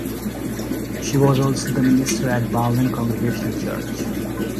She was also the Minister at Balmain Congregational Church.